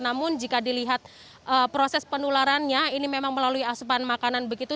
namun jika dilihat proses penularannya ini memang melalui asupan makanan begitu